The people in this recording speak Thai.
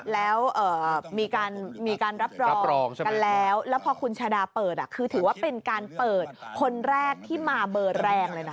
แล้วมีการรับรองกันแล้วแล้วพอคุณชาดาเปิดคือถือว่าเป็นการเปิดคนแรกที่มาเบอร์แรงเลยนะ